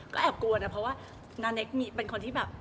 ก็แอบกลัวนะเพราะว่านาเนคเป็นคนที่แบบ